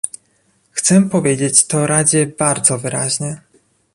Chcę powiedzieć to Radzie bardzo wyraźnie